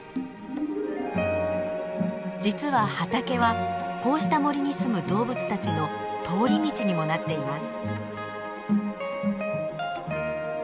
実は畑はこうした森にすむ動物たちの通り道にもなっています。